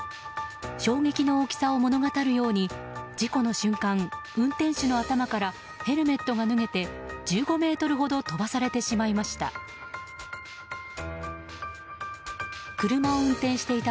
衝撃の大きさを物語るように事故の瞬間、運転手の頭からヘルメットが脱げて１５ｍほど飛ばされてしまいました。